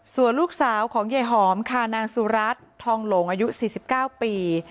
ส่วนลูกสาวของยายหอมค่ะนางสุรัตน์ทองหลงอายุ๔๙ปี